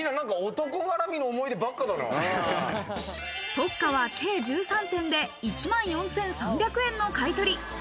ＴＯＣＣＡは計１３点で１万４３００円の買い取り。